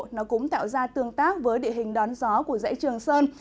nó cũng tạo ra tương tác với địa hình đón gió của dãy trường sơn